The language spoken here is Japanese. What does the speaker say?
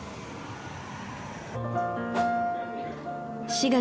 ４月。